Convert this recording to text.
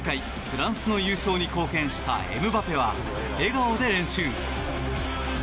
フランスの優勝に貢献したエムバペは笑顔で練習。